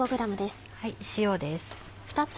塩です。